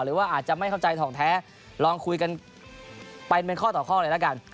หรือว่าอาจจะไม่เข้าใจทองแท้ลองคุยกันไปเป็นข้อต่อข้อเลยละกัน